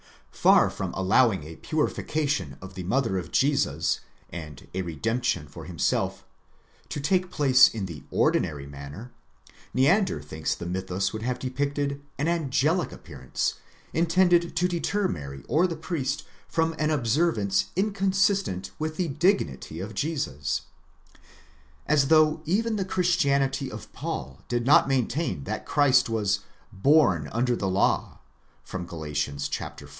Far from allowing a purification for the mother of Jesus, and a redemption for himself, to take place in the ordinary manner, Neander thinks the mythus would have depicted an angelic appear ance, intended to deter Mary or the priest from an observance inconsistent with the dignity of Jesus.8 As though even the Christianity of Paul did not maintain that Christ was born under the law γενόμενος ὑπὸ νόμον (Gal.